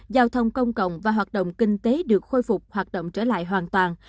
giao thông công cộng và hoạt động kinh tế được khôi phục hoạt động trở lại hoàn toàn